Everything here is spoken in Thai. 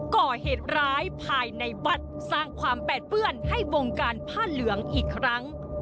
ก่อเหตุร้ายภายในวัดสร้างความแปดเปื้อนให้วงการผ้าเหลืองอีกครั้ง